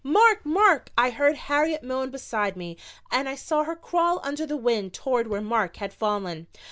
"Mark! Mark!" I heard Harriet moan beside me and I saw her crawl under the wind toward where Mark had fallen.